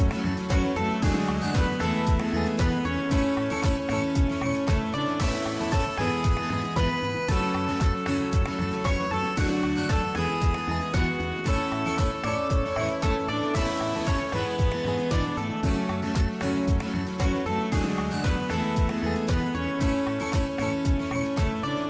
โปรดติดตามตอนต่อไป